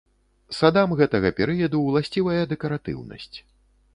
Садам гэтага перыяду ўласцівая дэкаратыўнасць.